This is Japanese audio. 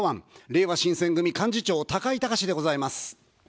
れいわ新選組幹事長、高井たかしでございます。